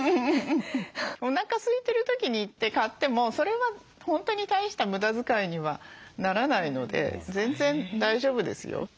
おなかすいてる時に行って買ってもそれは本当に大した無駄遣いにはならないので全然大丈夫ですよ。